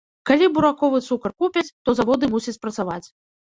Калі бураковы цукар купяць, то заводы мусяць працаваць.